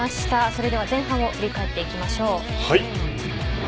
それでは前半を振り返っていきましょう。